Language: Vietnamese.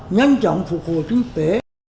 nhanh chóng phục hồi kinh tế